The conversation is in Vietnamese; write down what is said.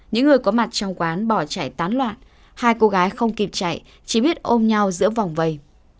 những người có mặt trong quán bỏ chạy tán loạn hai cô gái không kịp chạy chỉ biết ôm nhau giữa vòng vây